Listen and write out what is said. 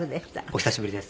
お久しぶりです。